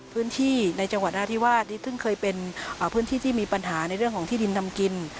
พื้นที่ในจังหวัดนาธิวาสซึ่งเคยเป็นพื้นที่ที่มีปัญหาในเรื่องของที่ดินทำกิน